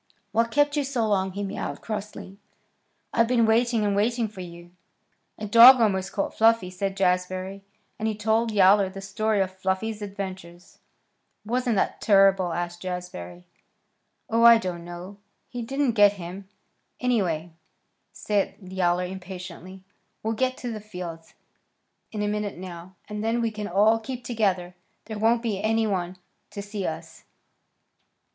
"What kept you so long?" he mewed crossly. "I've been waiting and waiting for you." "A dog almost caught Fluffy," said Jazbury; and he told Yowler the story of Fluffy's adventures. "Wasn't that terrible?" asked Jazbury. "Oh, I don't know. He didn't get him, anyway," said Yowler impatiently. "We'll get to the fields in a minute now, and then we can all keep together. There won't be any one to see us."